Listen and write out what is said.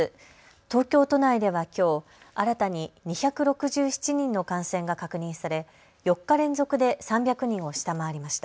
東京都内ではきょう新たに２６７人の感染が確認され４日連続で３００人を下回りました。